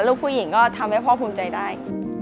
ลูกผู้หญิงก็ทำให้พ่อภูมิใจได้